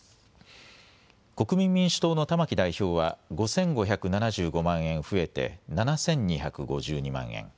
国民民主党の玉木代表は５５７５万円増えて７２５２万円。